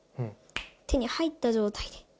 手に入った状態で。